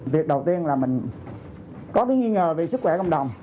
việc đầu tiên là mình có cái nghi ngờ về sức khỏe cộng đồng